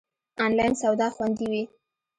آنلاین سودا خوندی وی؟